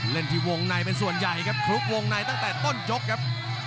เล่นที่วงในเป็นส่วนใหญ่ครับคลุกวงในตั้งแต่ต้นยกครับ